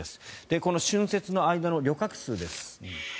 この春節の間の旅客数です。